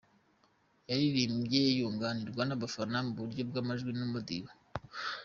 Yayiririmbye yunganirwa n'abafana mu buryo bw'amajwi n'umudiho.